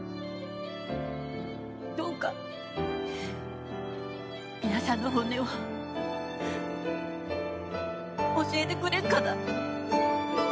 どうか皆さんの本音を教えてくれんかな？